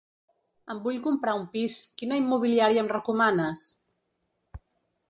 Em vull comprar un pis, quina immobiliària em recomanes?